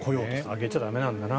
上げちゃ駄目なんだな。